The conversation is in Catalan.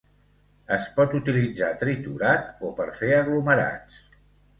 Es pot utilitzar triturat o per fer aglomerats.